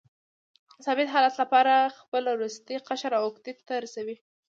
د ثابت حالت لپاره خپل وروستی قشر اوکتیت ته رسوي.